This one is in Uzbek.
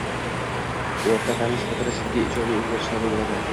o‘rta ta’lim sifatida jiddiy ijobiy o‘zgarish sodir bo‘ladi.